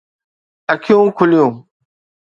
اکيون کُليون